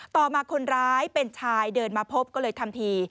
ต่อมาคนร้ายเป็นชายเดินมาพบก็เลยทำที